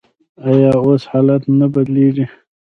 آیا اوس حالات نه بدلیږي؟